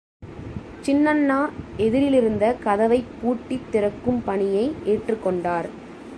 சின்னண்ணா எதிரிலிருந்த கதவைப் பூட்டித் திறக்கும் பணியை ஏற்றுக்கொண்டார்.